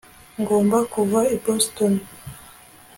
ngomba kuva i boston